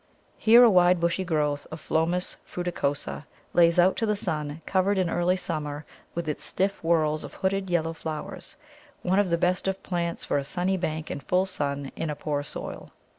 Here a wide bushy growth of Phlomis fruticosa lays out to the sun, covered in early summer with its stiff whorls of hooded yellow flowers one of the best of plants for a sunny bank in full sun in a poor soil.